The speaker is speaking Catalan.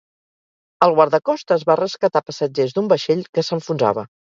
El guardacostes va rescatar passatgers d'un vaixell que s'enfonsava.